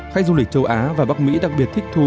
khách du lịch châu á và bắc mỹ đặc biệt thích thú